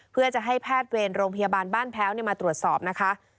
เพื่อจะให้แพทย์เวรโรงพยาบาลบ้านแพ้วมาตรวจสอบนะคะ